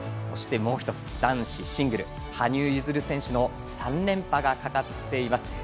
そしてもう１つ、男子シングル羽生結弦選手の３連覇がかかっています。